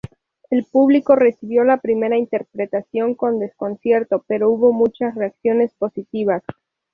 El público recibió la primera interpretación con desconcierto, pero hubo muchas reacciones positivas.